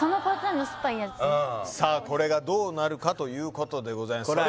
さあこれがどうなるかということでございます